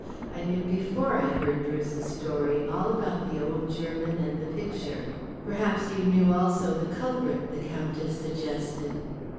I knew before I heard Bruce's story all about the old German and the picture. "Perhaps you knew also the culprit," the Countess suggested.